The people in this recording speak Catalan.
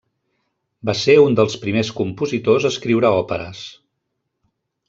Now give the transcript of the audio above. Va ser un dels primers compositors a escriure òperes.